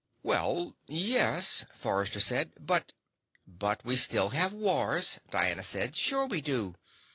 "Well, yes," Forrester said, "but " "But we still have wars," Diana said. "Sure we do.